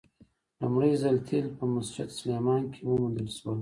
لومړی ځل تیل په مسجد سلیمان کې وموندل شول.